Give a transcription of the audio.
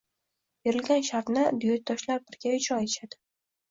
Berilgan shartni duyetdoshlar birga ijro etishadi.